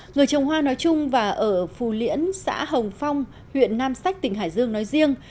người trồng hoa nói chung và ở phù liễn xã hồng phong huyện nam sách tỉnh hải dương nói riêng